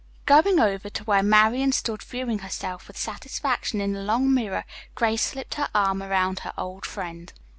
Going over to where Marian stood viewing herself with satisfaction in the long mirror, Grace slipped her arm around her old friend.